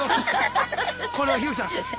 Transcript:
これはヒロキさん